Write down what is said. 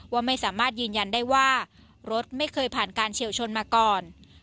ว่าไม่สามารถยืนยันได้ว่ารถไม่เคยผ่านการเฉียวชนมาก่อน